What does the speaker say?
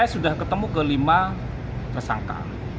saya sudah ketemu ke lima tersangka